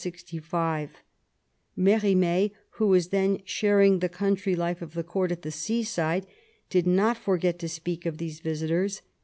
Merimee, who was then sharing the country life of the Court at the seaside, did not forget to speak of these visitors.